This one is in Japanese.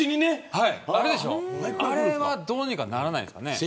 あれはどうにかならないですか。